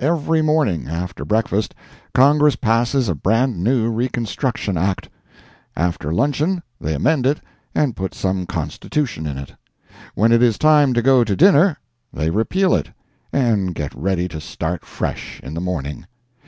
Every morning, after breakfast, Congress passes a brand new Reconstruction Act; after luncheon they amend it and put some Constitution in it; when it is time to go to dinner, they repeal it, and get ready to start fresh in the morning.